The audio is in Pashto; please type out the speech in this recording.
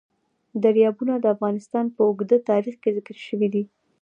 دریابونه د افغانستان په اوږده تاریخ کې ذکر شوی دی.